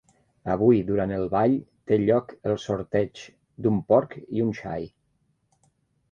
Avui durant el ball té lloc el sorteig d'un porc i un xai.